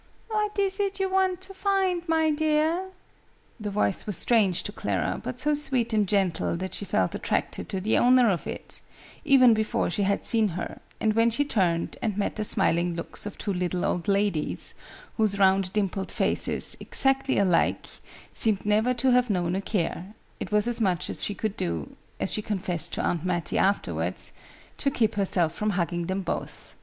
"What is it you want to find, my dear?" The voice was strange to Clara, but so sweet and gentle that she felt attracted to the owner of it, even before she had seen her; and when she turned, and met the smiling looks of two little old ladies, whose round dimpled faces, exactly alike, seemed never to have known a care, it was as much as she could do as she confessed to Aunt Mattie afterwards to keep herself from hugging them both.